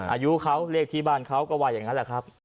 อายุเขาเลขที่บ้านเขาก็ว่าอย่างนั้นแหละครับ